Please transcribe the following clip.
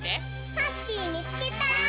ハッピーみつけた！